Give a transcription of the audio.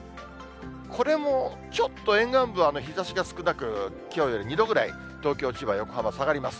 これも、ちょっと沿岸部は日ざしが少なく、きょうより２度ぐらい、東京、千葉、横浜は下がります。